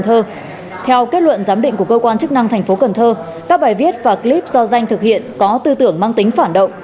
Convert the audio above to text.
theo kết luận giám định của cơ quan chức năng tp cn các bài viết và clip do danh thực hiện có tư tưởng mang tính phản động